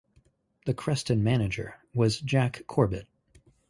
The Creston manager was Jack Corbett.